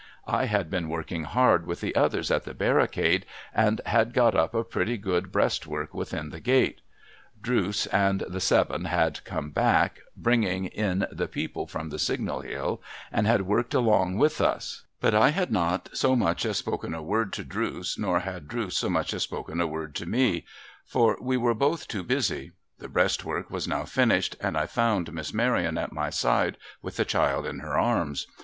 I had been working hard with the others at the barricade, and had got up a pretty good breastwork within the gate. Drooce and the seven had come back, M i62 PERILS OF CERTAIN ENGLISH PRISONERS bringing in the people from the Signal Hill, and had worked along with*us : but, I had not so much as sjjokcn a word to Drooce, nor had Drooce so much as spoken a word to me, for we were both too busy, 'i'he breastwork was now finished, and I found Miss iMaryon at my side, with a child in her arms.